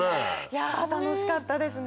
いや楽しかったですね。